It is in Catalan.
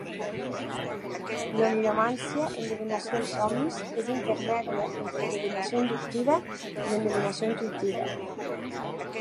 L'oniromància, endevinació pels somnis, és intermèdia entre l'endevinació inductiva i l'endevinació intuïtiva.